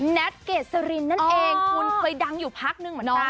แท็กเกษรินนั่นเองคุณเคยดังอยู่พักนึงเหมือนกัน